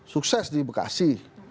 sukses di bekasi